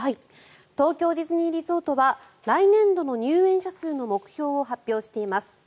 東京ディズニーリゾートは来年度の入園者数の目標を発表しています。